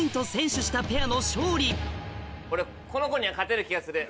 俺この子には勝てる気がする。